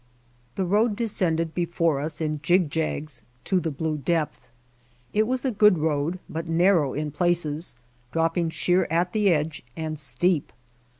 The road descended before us in jigjags to the blue depth. It was a good road but narrow in places, dropping sheer at the edge, and steep.